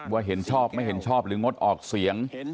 เห็นชอบไม่เห็นชอบหรืองดออกเสียง